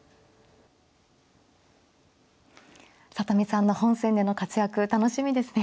里見さんの本戦での活躍楽しみですね。